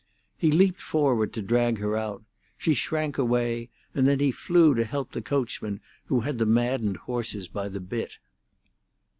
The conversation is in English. He leaped forward to drag her out; she shrank away, and then he flew to help the coachman, who had the maddened horses by the bit.